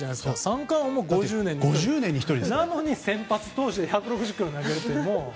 三冠も５０年に１人なのに先発投手で１６０キロ投げるって。